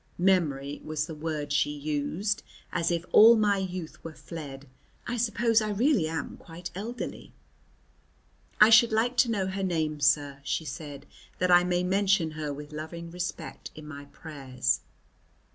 Memory was the word she used, as if all my youth were fled. I suppose I really am quite elderly. "I should like to know her name, sir," she said, "that I may mention her with loving respect in my prayers."